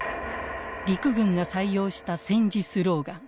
陸軍が採用した戦時スローガン